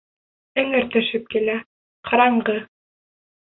Эңер төшөп килә, ҡараңғы.